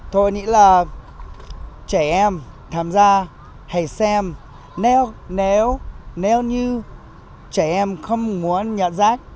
tôi nghĩ là trẻ em tham gia hãy xem nếu như trẻ em không muốn nhận rác